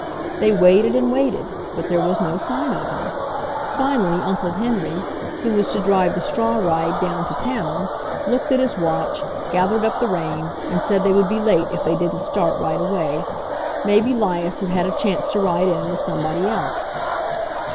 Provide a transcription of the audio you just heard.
They waited and waited, but there was no sign of him. Finally Uncle Henry, who was to drive the straw ride down to town, looked at his watch, gathered up the reins, and said they would be late if they didn't start right away. Maybe 'Lias had had a chance to ride in with somebody else.